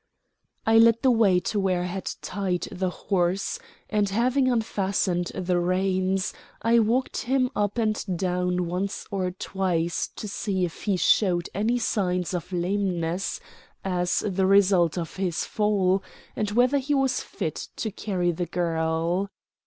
I led the way to where I had tied the horse, and, having unfastened the reins, I walked him up and down once or twice to see if he showed any signs of lameness as the result of his fall, and whether he was fit to carry the girl.